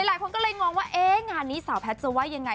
หลายคนก็เลยงงว่าเอ๊ะงานนี้สาวแพทย์จะว่ายังไง